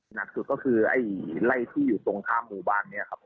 หนักสุดก็คือไอ้ไล่ที่อยู่ตรงข้ามหมู่บ้านเนี่ยครับ